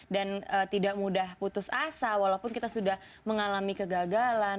dan tidak mudah putus asa walaupun kita sudah mengalami kegagalan